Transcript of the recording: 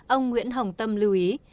ông nguyễn hồng tâm lưu ý